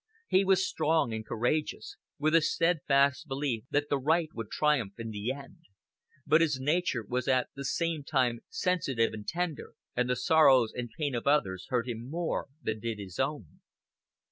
He was strong and courageous, with a steadfast belief that the right would triumph in the end; but his nature was at the same time sensitive and tender, and the sorrows and pain of others hurt him more than did his own.